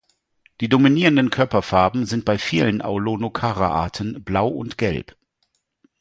Die dominierenden Körperfarben sind bei vielen "Aulonocara"-Arten blau und gelb.